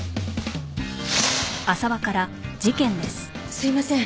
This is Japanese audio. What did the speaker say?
すいません。